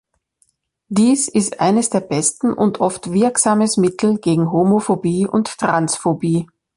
Dies ist eines der besten und oft wirksames Mittel gegen Homophobie und Transphobie.